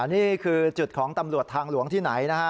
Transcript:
นี่คือจุดของตำรวจทางหลวงที่ไหนนะฮะ